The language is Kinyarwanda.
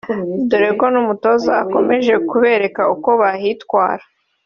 dore ko n’ umutoza akomeje kubereka uko bahitwara